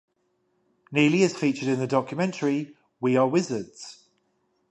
Neely is featured in the documentary "We Are Wizards".